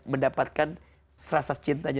mendapatkan serasa cintanya